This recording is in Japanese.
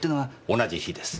同じ日です。